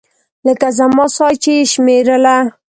لکه زما ساه چې يې شمېرله.